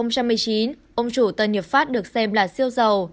năm hai nghìn một mươi chín ông chủ tân hiệp pháp được xem là siêu giàu